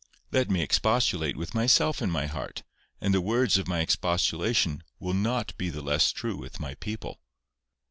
Let me expostulate with myself in my heart, and the words of my expostulation will not be the less true with my people."